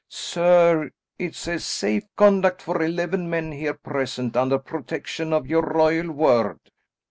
"Sir, it says safe conduct for eleven men here present, under protection of your royal word."